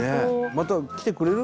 「また来てくれる？